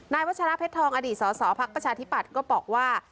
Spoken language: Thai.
วัชราเพชรทองอดีตสสพักประชาธิปัตย์ก็บอกว่า